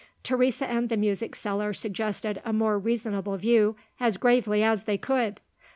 Teresa and the music seller suggested a more reasonable view as gravely as they could.